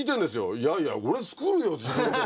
いやいや俺作るよ自分でって。